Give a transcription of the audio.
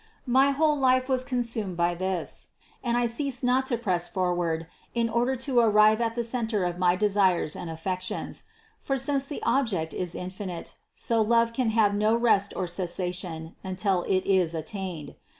My whole life was consumed in this and I ceased not to press for ward in order to arrive at the centre of my desires and affections; for since the Object is infinite, so love can have no rest or cessation until It is attained.